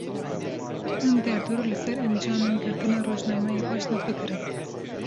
Hin derdor, li ser encamên girtina rojnameyê baş nafikirin